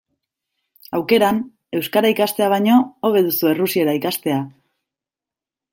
Aukeran, euskara ikastea baino, hobe duzu errusiera ikastea.